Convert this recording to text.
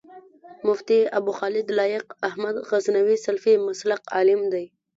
مفتي ابوخالد لائق احمد غزنوي سلفي مسلک عالم دی